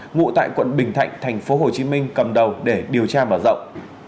ngụ tại quận bình thạnh thành phố hồ chí minh cầm đầu để điều tra và rộng